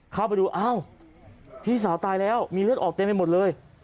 เข้าไปดูอ้าวพี่สาวตายแล้วมีเลือดออกเต็มไปหมดเลย